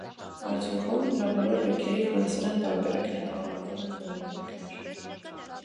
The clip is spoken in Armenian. Արդյունքում, նրա բոլոր գրքերի ֆրանսերեն տարբերակները համարվում են բնօրինակներ։